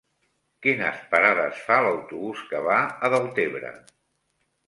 Quines parades fa l'autobús que va a Deltebre?